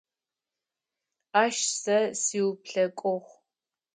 Ащ сэ сиуплъэкӏугъ.